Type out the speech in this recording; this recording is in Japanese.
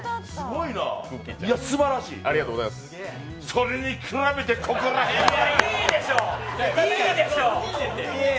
それに比べて、ここら辺はいいでしょ！